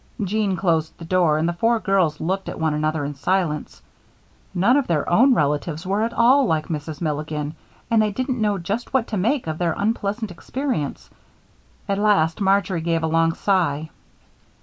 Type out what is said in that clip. Jean closed the door and the four girls looked at one another in silence. None of their own relatives were at all like Mrs. Milligan and they didn't know just what to make of their unpleasant experience. At last, Marjory gave a long sigh.